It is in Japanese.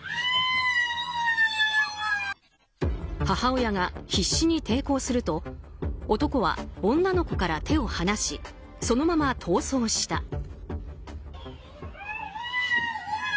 母親が必死に抵抗すると男は女の子から手を離しそのまま逃走した。